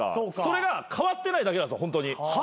それが変わってないだけなんですホントに。